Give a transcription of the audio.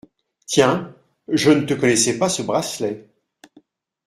Tiens ! je ne te connaissais pas ce bracelet.